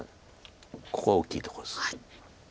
ここは大きいところです。